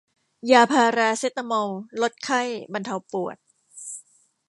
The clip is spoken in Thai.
ยาพาราเซตามอล ลดไข้ บรรเทาปวด